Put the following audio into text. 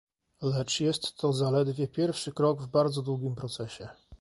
Lecz jest to zaledwie pierwszy krok w bardzo długim procesie